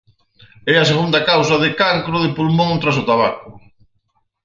É a segunda causa de cancro de pulmón tras o tabaco.